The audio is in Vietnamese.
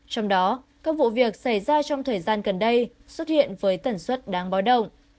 trong đó các vụ việc xảy ra trong thời gian gần đây xuất hiện với tẩn xuất đáng bó động